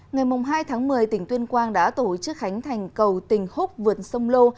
ngày hai tháng một mươi tỉnh tuyên quang đã tổ chức khánh thành cầu tình húc vượt sông lô